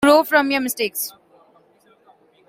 You grow from your mistakes.